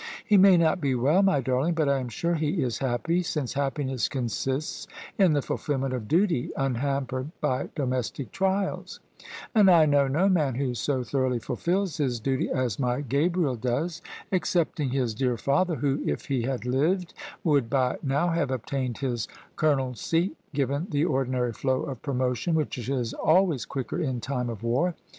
" He may not be well, my darling, but I am sure he is happy, since happiness consists in the fulfilment of duty unhampered by domestic trials; and I know no man who so thoroughly fulfils his duty as my Gabriel does, excepting his dear father who, if he had lived, would by now have obtained his colonelcy, given the ordinary flow of promotion which is always quicker in time of war.